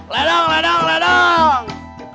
ledang ledang ledang